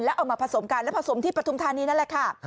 เอามาผสมกันและผสมที่ปฐุมธานีนั่นแหละค่ะ